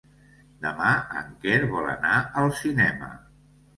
Demà en Quer vol anar al cinema.